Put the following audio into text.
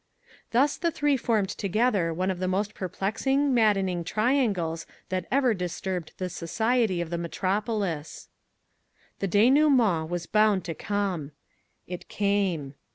Thus the three formed together one of the most perplexing, maddening triangles that ever disturbed the society of the metropolis. ....... The denouement was bound to come. It came.